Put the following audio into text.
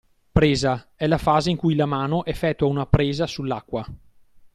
Presa: è la fase in cui la mano effettua una “presa” sull’acqua.